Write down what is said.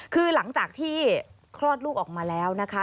คือหลังจากที่คลอดลูกออกมาแล้วนะคะ